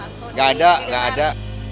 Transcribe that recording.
tidak ada tidak ada